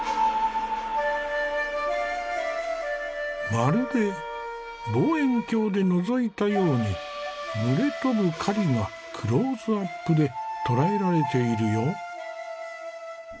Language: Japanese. まるで望遠鏡でのぞいたように群れ飛ぶ雁がクローズアップで捉えられているよ。